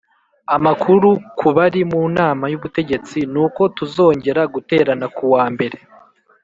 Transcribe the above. amakuru ku bari mu nama y’ ubutegetsi nuko tuzongera guterana ku wa mbere